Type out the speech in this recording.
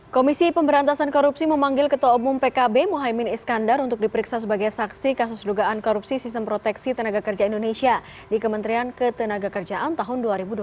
komisi pemberantasan korupsi memanggil ketua umum pkb mohaimin iskandar untuk diperiksa sebagai saksi kasus dugaan korupsi sistem proteksi tenaga kerja indonesia di kementerian ketenaga kerjaan tahun dua ribu dua puluh